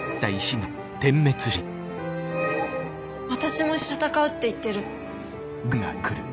「私も一緒に戦う」って言ってる。